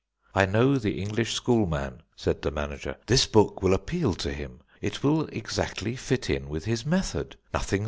"I know the English schoolman," said the manager; "this book will appeal to him. It will exactly fit in with his method.